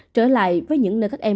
trở lại với những nơi các em